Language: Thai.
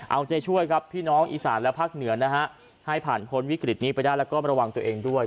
เอาใจช่วยครับพี่น้องอีสานและภาคเหนือนะฮะให้ผ่านพ้นวิกฤตนี้ไปได้แล้วก็ระวังตัวเองด้วย